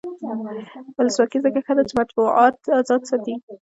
ولسواکي ځکه ښه ده چې مطبوعات ازاد ساتي.